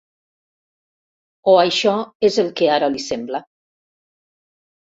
O això és el que ara li sembla.